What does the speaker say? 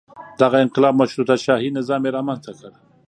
دغه انقلاب مشروطه شاهي نظام یې رامنځته کړ.